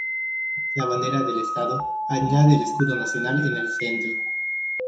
La bandera del Estado añade el escudo nacional en el centro.